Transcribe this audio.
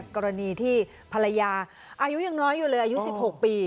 กรณีที่ภรรยาอายุยังน้อยอยู่เลยอายุ๑๖ปี